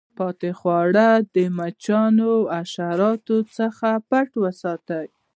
پاته خواړه د مچانو او حشراتو څخه پټ وساتئ.